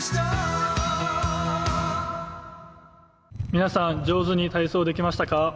皆さん、上手に体操できましたか？